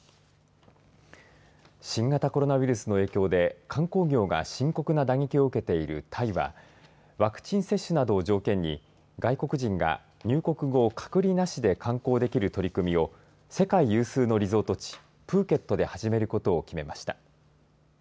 新型コロナウイルスの影響で観光業が深刻な打撃を受けているタイはワクチン接種などを条件に外国人が入国後隔離なしで観光できる取り組みを世界有数のリゾート地プーケットで始めることを決めました。